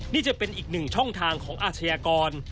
นี่จะเป็นอีกหนึ่งช่องทางของอาชญากร